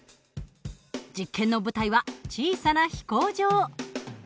実験の舞台は小さな飛行場。